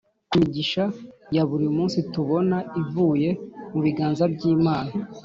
imigisha ya buri munsi tubona ivuye mu biganza by’imana,